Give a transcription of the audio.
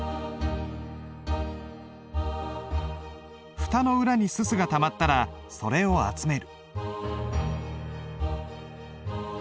蓋の裏に煤がたまったらそれを集める。